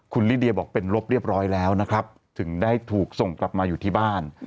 คุณลิเดียบอกเป็นลบเรียบร้อยแล้วนะครับถึงได้ถูกส่งกลับมาอยู่ที่บ้าน